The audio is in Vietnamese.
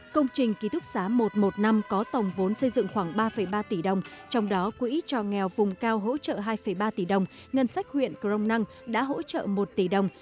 công trình ký thúc xá một trăm một mươi năm có tổng vốn xây dựng khoảng ba ba tỷ đồng trong đó quỹ cho nghèo vùng cao hỗ trợ hai ba tỷ đồng ngân sách huyện crong năng đã hỗ trợ một tỷ đồng